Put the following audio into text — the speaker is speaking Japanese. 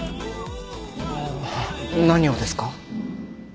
ああ何をですか？